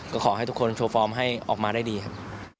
ก็ขอให้ทุกคนโชว์ฟอร์มให้ออกมาได้ดีครับ